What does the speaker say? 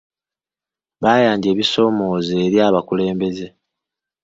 Baayanja ebibasoomooza eri abakulembeze.